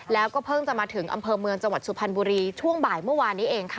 แล้วก็เพิ่งจะมาถึงอำเภอเมืองจังหวัดสุพรรณบุรีช่วงบ่ายเมื่อวานนี้เองค่ะ